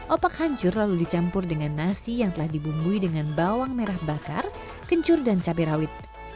opak hancur lalu dicampur dengan nasi yang telah dibumbui dengan bawang merah bakar kencur dan cabai rawit